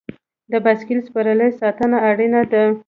د بایسکل سپرلۍ ساتنه اړینه ده.